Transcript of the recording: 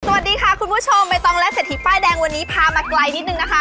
สวัสดีค่ะคุณผู้ชมใบตองและเศรษฐีป้ายแดงวันนี้พามาไกลนิดนึงนะคะ